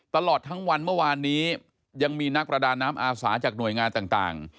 ตลอดทั้งวันเมื่อวานนี้ยังมีนักประดาน้ำอาสาจากหน่วยงานต่าง